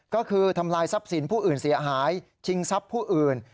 ก็คือทำลายทรัพย์สินผู้อื่นเสียหายชิงทรัพย์ผู้อื่น